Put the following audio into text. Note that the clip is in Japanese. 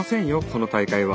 この大会は。